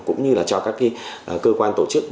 cũng như là cho các cơ quan tổ chức